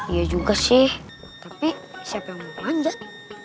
iya juga sih tapi siapa yang mau lanjut